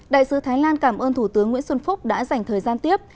đại sứ thái lan cảm ơn thủ tướng nguyễn xuân phúc đã dành thời gian tiếp